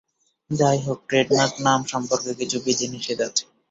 যাইহোক, ট্রেডমার্ক নাম সম্পর্কে কিছু বিধিনিষেধ আছে।